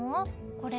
これ。